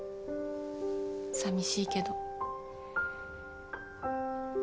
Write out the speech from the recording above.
さみしいけど。